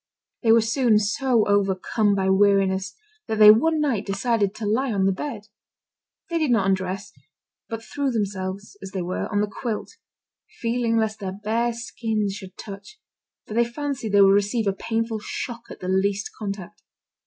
They were soon so overcome by weariness that they one night decided to lie on the bed. They did not undress, but threw themselves, as they were, on the quilt, fearing lest their bare skins should touch, for they fancied they would receive a painful shock at the least contact.